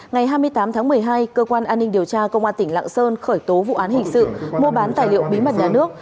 ngày hai mươi tám tháng một mươi hai cơ quan an ninh điều tra công an tỉnh lạng sơn khởi tố vụ án hình sự mua bán tài liệu bí mật nhà nước